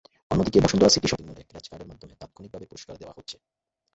অন্যদিকে Bashundhara City shopping মলে scratch কার্ডের মাধ্যমে তাৎক্ষণিকভাবে পুরস্কার দেওয়া হচ্ছে।